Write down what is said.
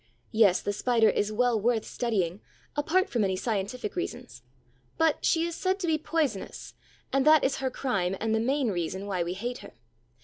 Yes, the Spider is well worth studying, apart from any scientific reasons; but she is said to be poisonous, and that is her crime and the main reason why we hate her.